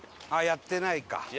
やってない！